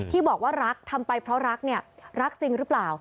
ที่บอกว่ารักทำไปเพราะรักเนี่ยรักจริงหรือเปล่า